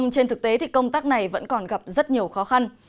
trên thực tế thì công tác này vẫn còn gặp rất nhiều khó khăn